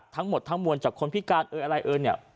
ทั้งหมดทั้งมวลจากคนพิการเอ่ยอะไรเอ่ยเนี่ย